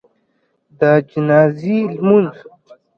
د جنازي لمونځ